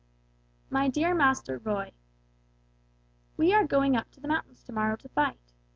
"MY DEAR MASTER ROY: "We are going up to the mountains to morrow to fight.